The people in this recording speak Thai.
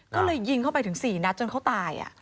ก็เลยยิงเข้าไปถึง๔นัดจนเขาตาย